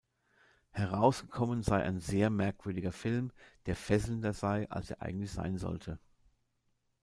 Herausgekommen sei „ein sehr merkwürdiger Film“, der „fesselnder“ sei, „als er eigentlich sein sollte“.